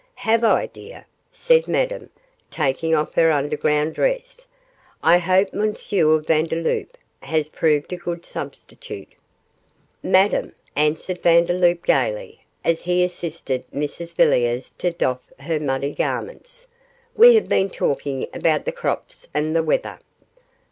'Have I, dear?' said Madame, taking off her underground dress; 'I hope M. Vandeloup has proved a good substitute.' 'Madame,' answered Vandeloup, gaily, as he assisted Mrs Villiers to doff her muddy garments, 'we have been talking about the crops and the weather.